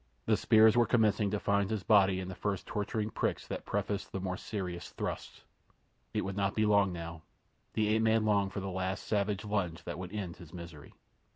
The spears were commencing to find his body in the first torturing pricks that prefaced the more serious thrusts. It would not be long now. The ape man longed for the last savage lunge that would end his misery.